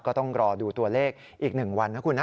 ก็ต้องรอดูตัวเลขอีก๑วันนะคุณนะ